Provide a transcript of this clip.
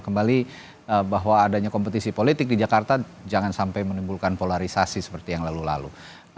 kembali bahwa adanya kompetisi politik di jakarta jangan sampai menimbulkan polarisasi seperti yang lalu lalu